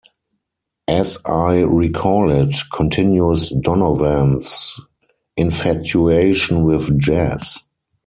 "As I Recall It" continues Donovan's infatuation with jazz.